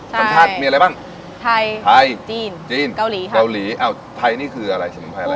ใช่สามสัญชาติมีอะไรบ้างไทยจีนเกาหลีอ้าวไทยนี่คืออะไรสมุนไพรอะไร